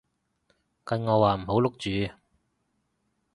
計我話唔好錄住